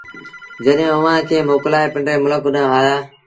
جڏهيݩ اُئآݩ کآݩ موڪلآئي پنڊري ملڪ ڏآݩهݩ آيآ